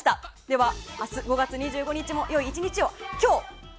では明日５月２５日もよい１日を。